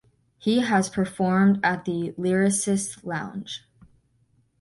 He has performed at the Lyricist Lounge.